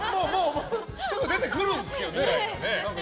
すぐ出てくるんですけどね。